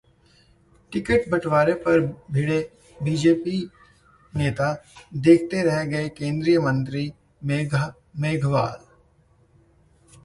ticket बंटवारे पर भिड़े बीजेपी नेता, देखते रह गए केंद्रीय मंत्री मेघवाल